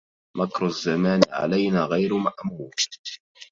مكر الزمان علينا غير مأمون